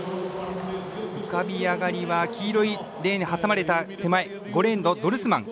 浮かび上がりは黄色いレーンに挟まれた手前５レーンのドルスマン。